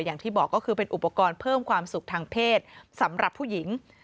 อย่างที่บอกก็คือเป็นอุปกรณ์เพิ่มความสุขทางเพศสำหรับผู้หญิง